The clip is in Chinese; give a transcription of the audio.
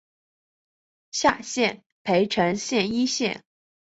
下辖涪城县一县。